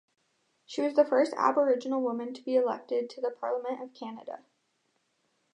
She was the first Aboriginal woman to be elected to the Parliament of Canada.